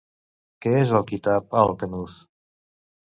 Què és el Kitab al Kanuz?